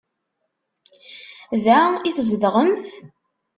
Da i tzedɣemt?